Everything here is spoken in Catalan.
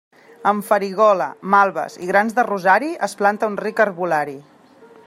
Amb farigola, malves i grans de rosari, es planta un ric herbolari.